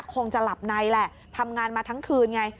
คงจะหลับในแหละทำงานมาทั้งคืนไง